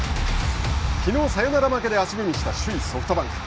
きのう、サヨナラ負けで足踏みした首位ソフトバンク。